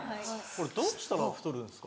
どうしたら太るんですか？